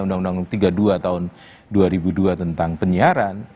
undang undang tiga puluh dua tahun dua ribu dua tentang penyiaran